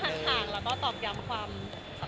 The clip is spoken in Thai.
เหมือนโดนจับต้องว่าความสำคัญในครอบครัว